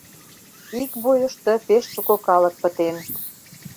Ик бойышто пеш шуко калык пытен.